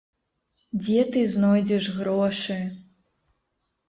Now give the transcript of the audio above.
Дзе ты знойдзеш грошы?!?